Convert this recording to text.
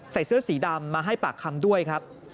เสื้อสีดำมาให้ปากคำด้วยครับ